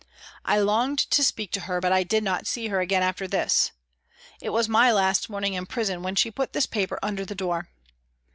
I longed to speak to her, but I did not see her again after this. It was my last morning in prison when she put this paper under the door.